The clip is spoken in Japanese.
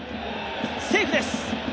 セーフです。